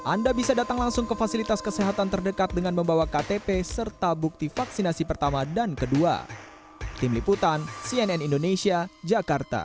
anda bisa datang langsung ke fasilitas kesehatan terdekat dengan membawa ktp serta bukti vaksinasi pertama dan kedua